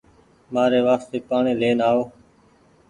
مآري وآستي پآڻيٚ آئو